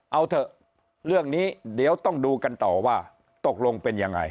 เอาเถอะเรื่องนี้เดี๋ยวต้องดูกันต่อว่าตกลงเป็นยังไง